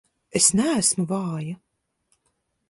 Es neesmu vāja!